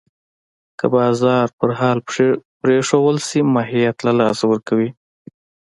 که بازار په حال پرېښودل شي، ماهیت له لاسه ورکوي.